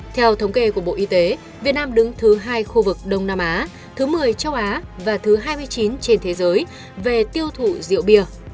theo thống kê của bộ y tế việt nam đứng thứ hai khu vực đông nam á thứ một mươi châu á và thứ hai mươi chín trên thế giới về tiêu thụ rượu bia